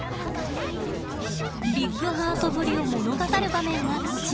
ビッグハートぶりを物語る場面がこちら。